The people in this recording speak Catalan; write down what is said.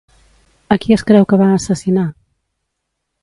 A qui es creu que va assassinar?